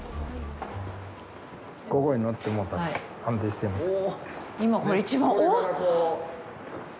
ここへ乗ってもうたら安定していますから。